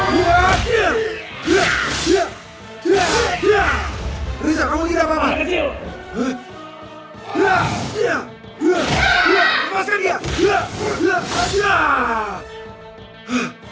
lepaskan diri kalian